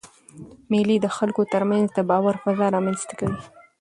مېلې د خلکو ترمنځ د باور فضا رامنځ ته کوي.